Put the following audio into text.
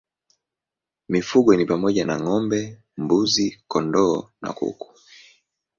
Mifugo ni pamoja na ng'ombe, mbuzi, kondoo na kuku.